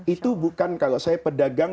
itu bukan kalau saya pedagang